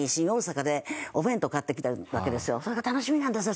それが楽しみなんですよ